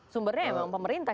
sumbernya memang pemerintah